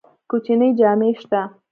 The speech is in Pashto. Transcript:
کوچنی جامی شته؟